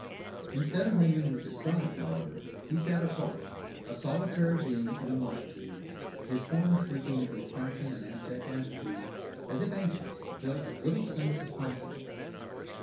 Instead of mingling with his tribe, however, he sat apart, a solitary being in a multitude, his form shrinking into a crouching and abject attitude, as if anxious to fill as little space as possible.